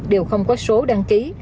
đều không có số đăng ký